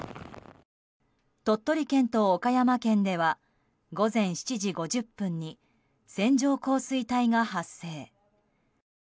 鳥取県と岡山県では午前７時５０分に線状降水帯が発生。